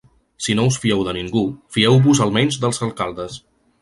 Si no us fieu de ningú, fieu-vos al menys dels alcaldes.